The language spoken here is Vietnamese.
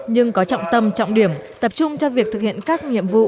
nhưng có trọng tâm trọng điểm tập trung cho việc thực hiện các nhiệm vụ